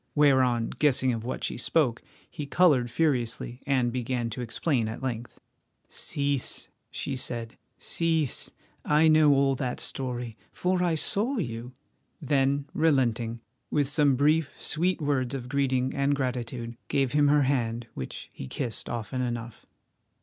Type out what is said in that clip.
Whereon, guessing of what she spoke, he coloured furiously, and began to explain at length. "Cease," she said—"cease. I know all that story, for I saw you," then, relenting, with some brief, sweet words of greeting and gratitude, gave him her hand, which he kissed often enough.